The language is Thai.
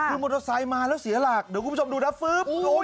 คือมอเตอร์ไซค์มาแล้วเสียหลักเดี๋ยวคุณผู้ชมดูนะฟึ๊บ